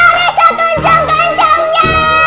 lo bisa tunjuk kencangnya